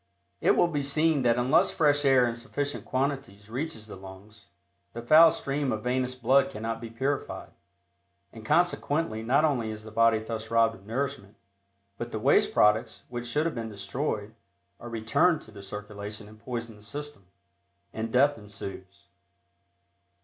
It will be seen that unless fresh air in sufficient quantities reaches the lungs, the foul stream of venous blood cannot be purified, and consequently not only is the body thus robbed of nourishment, but the waste products which should have been destroyed are returned to the circulation and poison the system, and death ensues.